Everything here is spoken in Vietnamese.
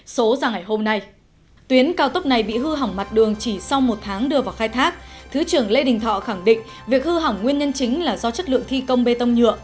xin chào các bạn